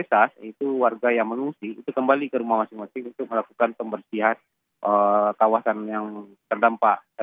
pada siang hari mayoritas warga yang mengungsi kembali ke rumah masing masing untuk melakukan pembersihan kawasan yang terdampak